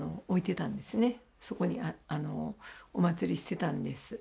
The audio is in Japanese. そこにおまつりしてたんです。